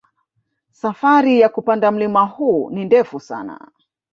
Safari ya kupanda mlima huu ni ndefu sana